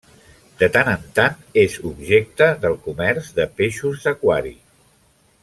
De tant en tant, és objecte del comerç de peixos d'aquari.